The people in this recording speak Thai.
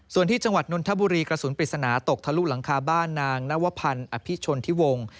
ส่วนที่จังหวัดนนทบุรีกระสุนปริศนาตกทะลุหลังคาบ้านนางนวพันธ์อภิชนที่วงศ